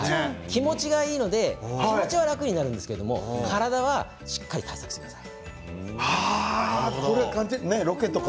気持ちがいいので気持ちは楽になるんですけれども体は、しっかり対策してください。